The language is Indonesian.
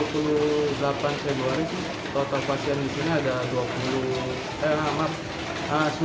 dua puluh delapan februari sih total pasien di sini ada sembilan belas pasien